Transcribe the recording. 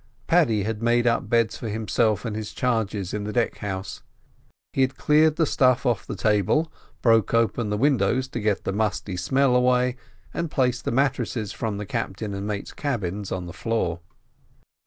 Paddy had made up beds for himself and his charges in the deck house; he had cleared the stuff off the table, broken open the windows to get the musty smell away, and placed the mattresses from the captain and mate's cabins on the floor.